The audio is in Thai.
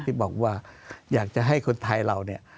ที่บอกว่าอยากจะให้คนไทยเราเนี่ย